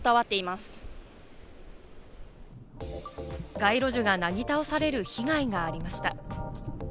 街路樹がなぎ倒される被害がありました。